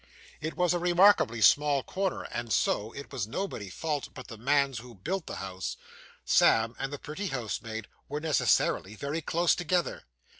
It was a remarkably small corner, and so it was nobody's fault but the man's who built the house Sam and the pretty housemaid were necessarily very close together.